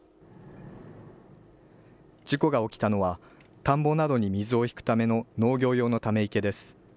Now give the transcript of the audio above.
事故が起きたのは田んぼなどに水を引くための農業用のため池です。